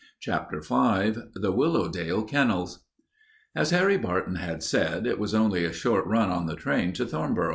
CHAPTER V THE WILLOWDALE KENNELS As Harry Barton had said, it was only a short run on the train to Thornboro.